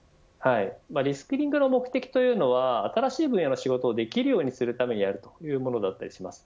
リスキリングの目的というのは新しい分野の仕事をできるようにするためにやるというものだったりします。